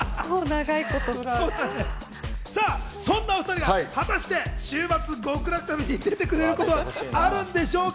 そんなお２人が果たして『週末極楽旅』に出てくれることはあるんでしょうか。